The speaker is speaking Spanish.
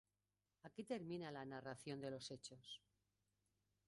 Aquí termina la narración de los hechos.